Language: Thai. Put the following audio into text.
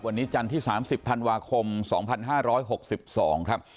วันนี้จันทร์ที่๓๐ธันวาคม๒๕๖๒ครับ